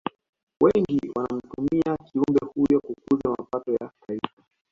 Wengi wanamtumia kiumbe huyo kukuza mapato ya taifa